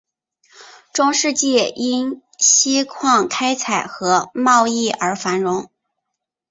中世纪因锡矿开采和贸易而繁荣。